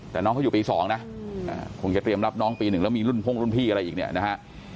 แต่น้องเขาอยู่ปี๒นะคงจะเตรียมรับน้องปี๑แล้วมีรุ่นพ่งรุ่นพี่อะไรอีกเนี่ยนะฮะ